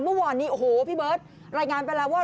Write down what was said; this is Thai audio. เมื่อวานนี้โอ้โหพี่เบิร์ตรายงานไปแล้วว่า